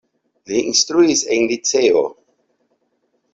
Li instruis en liceo.